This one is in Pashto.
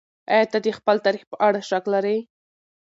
ايا ته د خپل تاريخ په اړه شک لرې؟